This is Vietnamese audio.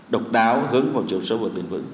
độc đáo hướng vào chiều sâu vượt bền vững